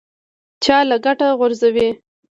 چا له کټه غورځوي.